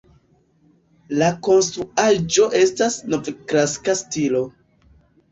La konstruaĵo estas novklasika stilo.